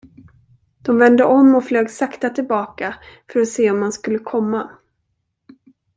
De vände om och flög sakta tillbaka för att se om han skulle komma.